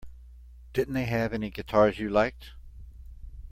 Didn't they have any guitars you liked?